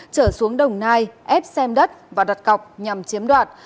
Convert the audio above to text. trở xuống đồng nai ép xem đất và đặt cọc nhằm chiếm đoạt